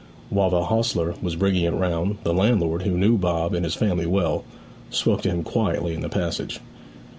While the hostler was bringing it round, the landlord, who knew Bob and his family well, spoke to him quietly in the passage.